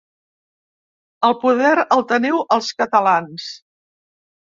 El poder el teniu els catalans.